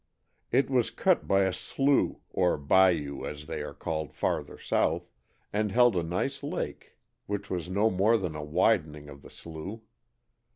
It was cut by a slough (or bayou, as they are called farther south) and held a rice lake which was no more than a widening of the slough.